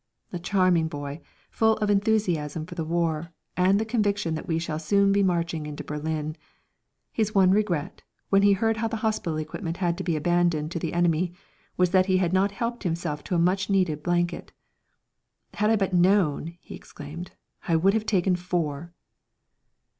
A charming boy, full of enthusiasm for the war and the conviction that we shall soon be marching into Berlin, his one regret, when he heard how the hospital equipment had had to be abandoned to the enemy, was that he had not helped himself to a much needed blanket. "Had I but known," he exclaimed, "I would have taken four!"